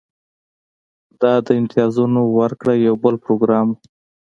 دا د امتیازونو ورکړې یو بل پروګرام و